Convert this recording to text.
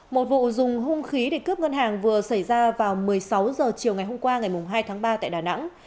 một vụ dùng hung khí để cướp ngân hàng vừa xảy ra vào một mươi sáu h chiều ngày hôm qua ngày hai tháng ba tại đà nẵng